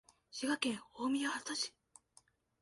滋賀県近江八幡市